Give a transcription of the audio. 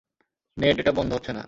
নেড, এটা বন্ধ হচ্ছে না।